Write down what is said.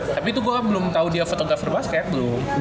tapi itu gua belum tau dia fotografer basket belum